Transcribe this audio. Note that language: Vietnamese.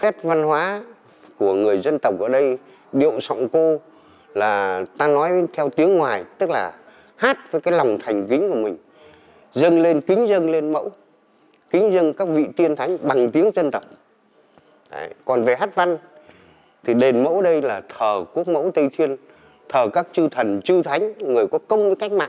phép văn hóa của người dân tộc ở đây điệu sọng cô là ta nói theo tiếng ngoài tức là hát với cái lòng thành kính của mình dâng lên kính dâng lên mẫu kính dâng các vị tiên thánh bằng tiếng dân tộc còn về hát văn thì đền mẫu đây là thờ quốc mẫu tây thiên thờ các chư thần chư thánh người có công với cách mạng